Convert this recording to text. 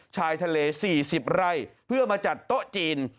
ชายทะเล๔๐ไร่เพื่อมาจัดโต๊ะจีน